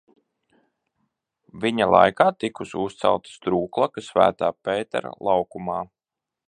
Viņa laikā tikusi uzcelta strūklaka Svētā Pētera laukumā.